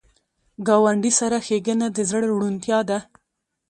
ګاونډي سره ښېګڼه د زړه روڼتیا ده